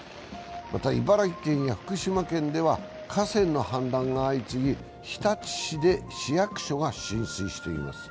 茨城県や福島県では河川の氾濫が相次ぎ、日立市で市役所が浸水しています。